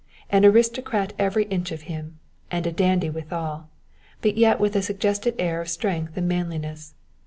An aristocrat every inch of him, and a dandy withal, but yet with a suggested air of strength and manliness.